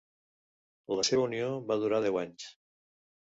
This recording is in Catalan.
La seva unió va durar deu anys.